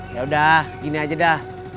ya udah gini aja dah